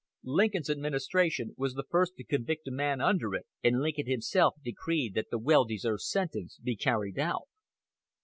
Lincoln's administration was the first to convict a man under it, and Lincoln himself decreed that the well deserved sentence be carried out.